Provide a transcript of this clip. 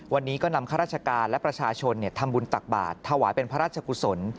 วันนี้ก็นำข้าราชการและประชาชนทำบุญตักบาทถวายเป็นพระราชกุศล